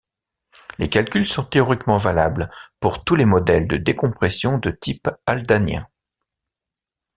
Les calculs sont théoriquement valables pour tous les modèles de décompression de type haldanien.